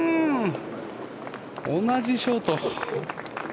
同じショート。